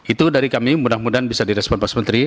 itu dari kami mudah mudahan bisa direspon pak menteri